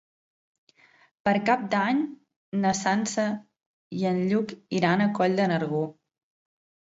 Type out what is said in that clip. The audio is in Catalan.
Per Cap d'Any na Sança i en Lluc iran a Coll de Nargó.